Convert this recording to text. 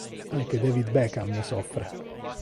Anche David Beckham ne soffre.